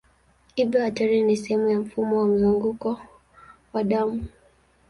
Hivyo ateri ni sehemu ya mfumo wa mzunguko wa damu.